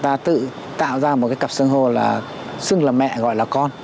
ta tự tạo ra một cái cặp sơn hô là xưng là mẹ gọi là con